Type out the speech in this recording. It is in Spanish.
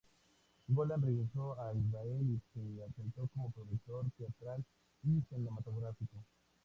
Golan regresó a Israel y se asentó como productor teatral y cinematográfico.